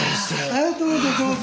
ああどうぞどうぞ。